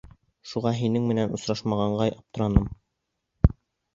Шуға һинең менән осрашмағанға аптырайым.